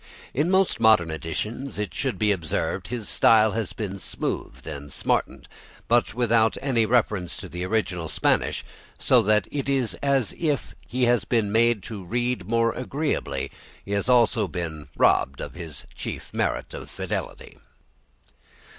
In most modern editions, it should be observed, his style has been smoothed and smartened, but without any reference to the original Spanish, so that if he has been made to read more agreeably he has also been robbed of his chief merit of fidelity.